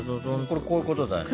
これこういうことだね。